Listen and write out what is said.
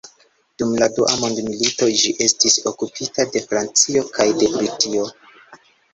Dum la dua mondmilito ĝi estis okupita de Francio kaj de Britio.